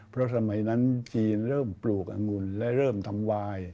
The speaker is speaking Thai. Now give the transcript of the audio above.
เพราะสมัยนั้นจีนเริ่มปลูกอังุ่นและเริ่มทำวาย